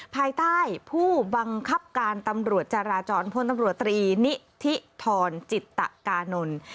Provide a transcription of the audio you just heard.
ภายใต้ผู้บังคับการตำรวจจาราจรพลตำรวจตรีนิธิธรจิตกานนท์